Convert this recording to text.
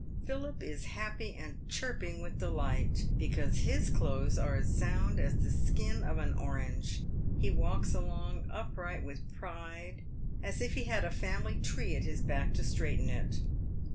Philip is happy and chirping with delight, because his clothes are as sound as the skin of an orange. He walks along, upright with pride, as if he had a family tree at his back to straighten it.